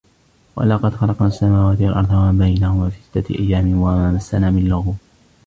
ولقد خلقنا السماوات والأرض وما بينهما في ستة أيام وما مسنا من لغوب